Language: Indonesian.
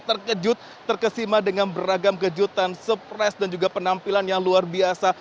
terkejut terkesima dengan beragam kejutan surprise dan juga penampilan yang luar biasa